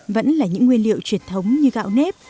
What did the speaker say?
vẫn là những nguyên liệu truyền thống như gạo nếp